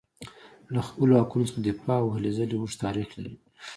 له خپلو حقونو څخه دفاع او هلې ځلې اوږد تاریخ لري.